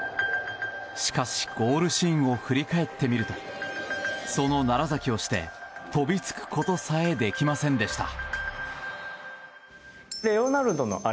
しかし、ゴールシーンを振り返ってみるとその楢崎をして飛びつくことさえできませんでした。